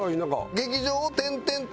劇場を転々と。